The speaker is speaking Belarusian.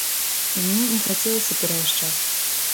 І мне не хацелася пераязджаць.